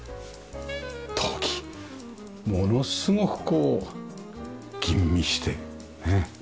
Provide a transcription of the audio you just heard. ものすごくこう吟味してねえ。